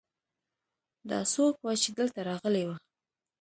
دا څوک ؤ چې دلته راغلی ؤ